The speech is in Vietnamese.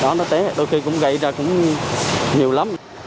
đó nó tế đôi khi cũng gây ra cũng nhiều lắm